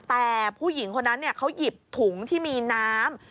แต่ผู้หญิงคนนั้นเขาหยิบถุงที่มีน้ำ